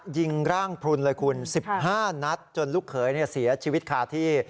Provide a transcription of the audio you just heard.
ยิงร่างพลุนเลยคุณ๑๕นัดจนลูกเขยเสียชีวิตคาที่